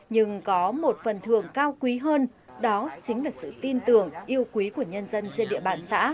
nhưng có một phần thường cao quý hơn đó chính là sự tin tưởng yêu quý của nhân dân trên địa bàn xã